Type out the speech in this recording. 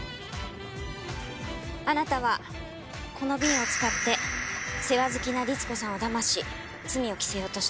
あなたはこの瓶を使って世話好きな律子さんをだまし罪を着せようとした。